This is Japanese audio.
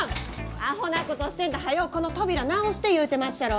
アホなことしてんとはようこの扉直して言うてまっしゃろ！